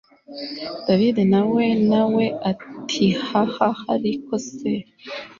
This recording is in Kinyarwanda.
david nawe nawe atihahaariko se